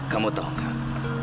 kamu tahu nggak